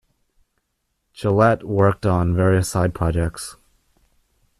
Gillette worked on various side projects.